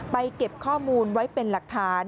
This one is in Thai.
เก็บข้อมูลไว้เป็นหลักฐาน